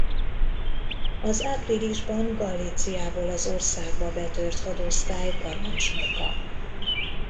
Az áprilisban Galíciából az országba betört hadosztály parancsnoka.